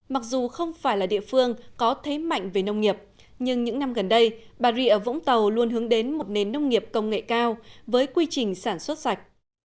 mặc dù không phải là địa phương có thế mạnh về nông nghiệp nhưng những năm gần đây bà rịa ở vũng tàu luôn hướng đến một nền nông nghiệp công nghệ cao với quy trình sản xuất sạch